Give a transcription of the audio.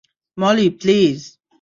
Moli, please.